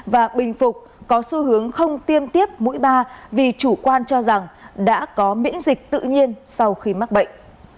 và bình phục có xu hướng không tiêm tiếp mũi ba vì chủ quan cho rằng đã có miễn dịch tự nhiên sau khi mắc bệnh